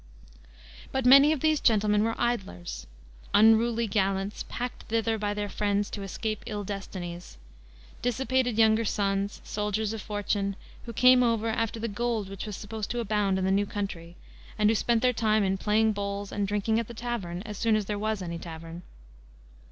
But many of these gentlemen were idlers, "unruly gallants, packed thither by their friends to escape ill destinies;" dissipated younger sons, soldiers of fortune, who came over after the gold which was supposed to abound in the new country, and who spent their time in playing bowls and drinking at the tavern as soon as there was any tavern.